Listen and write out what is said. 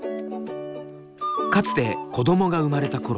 かつて子どもが生まれたころ